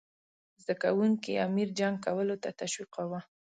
زده کوونکي امیر جنګ کولو ته تشویقاووه.